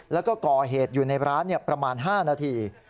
แล้วก็ก่อเหตุอยู่ในร้านประมาณ๕นาที